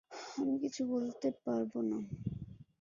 আমি কিছু বলতে পারবো না।